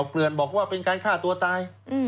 เกลือนบอกว่าเป็นการฆ่าตัวตาย